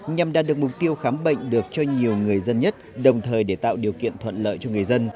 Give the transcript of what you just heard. nhằm đạt được mục tiêu khám bệnh được cho nhiều người dân nhất đồng thời để tạo điều kiện thuận lợi cho người dân